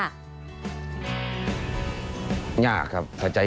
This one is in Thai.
คุณต้องเปิดไฟ